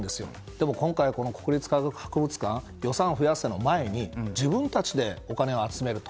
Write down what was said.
でも今回、国立科学博物館予算を増やせの前に自分たちでお金を集めると。